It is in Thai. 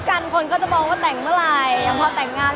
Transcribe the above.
มันเป็นเรื่องน่ารักที่เวลาเจอกันเราต้องแซวอะไรอย่างเงี้ย